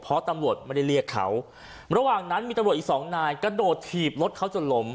เพราะตำรวจไม่ได้เรียกเขาระหว่างนั้นมีตำรวจอีกสองนายกระโดดถีบรถเขาจนล้ม